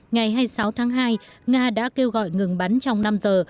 ngày hai mươi sáu tháng hai nga đã kêu gọi ngừng bắn trong năm giờ